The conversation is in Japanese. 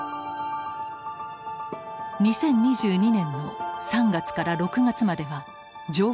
２０２２年の３月から６月までは情報収集。